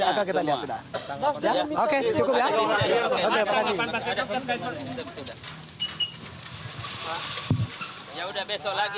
ya sudah besok lagi ya besok lagi